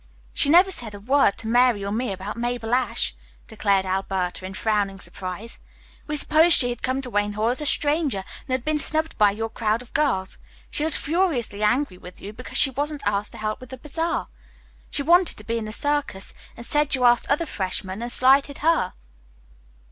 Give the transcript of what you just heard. "She never said a word to Mary or me about Mabel Ashe," declared Alberta in frowning surprise. "We supposed she had come to Wayne Hall as a stranger and had been snubbed by your crowd of girls. She was furiously angry with you because she wasn't asked to help with the bazaar. She wanted to be in the circus, and said you asked other freshmen and slighted her."